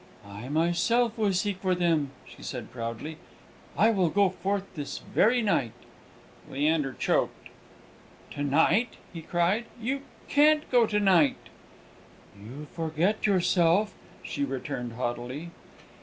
"I myself will seek for them," she said proudly. "I will go forth this very night." Leander choked. "To night!" he cried. "You can't go to night." "You forget yourself," she returned haughtily.